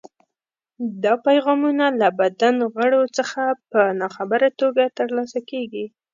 دا پیغامونه له بدن غړو څخه په ناخبره توګه ترلاسه کېږي.